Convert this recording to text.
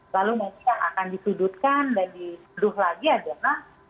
lalu nanti yang akan dituduhkan dan dituduh lagi adalah